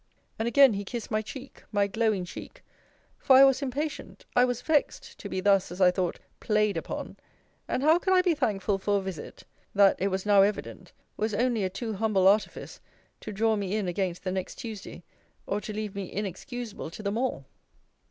And again he kissed my cheek, my glowing cheek; for I was impatient, I was vexed, to be thus, as I thought, played upon: And how could I be thankful for a visit, that (it was now evident) was only a too humble artifice, to draw me in against the next Tuesday, or to leave me inexcusable to them all?